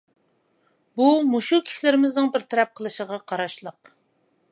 بۇ مۇشۇ كىشىلىرىمىزنىڭ بىر تەرەپ قىلىشىغا قاراشلىق.